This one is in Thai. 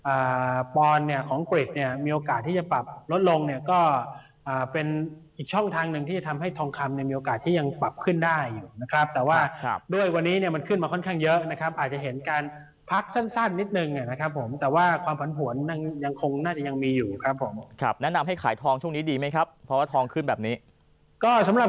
อ่าปอนด์เนี่ยของอังกฤษเนี่ยมีโอกาสที่จะปรับลดลงเนี่ยก็อ่าเป็นอีกช่องทางหนึ่งที่จะทำให้ทองคำเนี่ยมีโอกาสที่ยังปรับขึ้นได้อยู่นะครับแต่ว่าด้วยวันนี้เนี่ยมันขึ้นมาค่อนข้างเยอะนะครับอาจจะเห็นการพักสั้นสั้นนิดนึงนะครับผมแต่ว่าความผันผวนยังยังคงน่าจะยังมีอยู่ครับผมครับแนะนำให้ขายทองช่วงนี้ดีไหมครับเพราะว่าทองขึ้นแบบนี้ก็สำหรับ